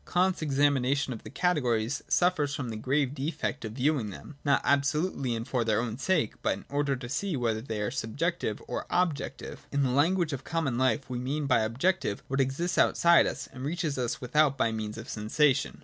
(2) Kant's examination of the categories suffers from the grave defect of viewing them, not absolutely and for their own sake, but in order to see whether they are subjective or objective. In the language of common life we mean by objective what exists outside of us and reaches us from with out by means of sensation.